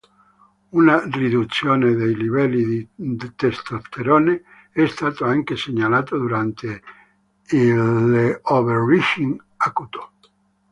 Una riduzione dei livelli di testosterone è stato anche segnalato durante l’"overreaching" acuto.